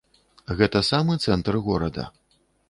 Гэта самы цэнтр горада.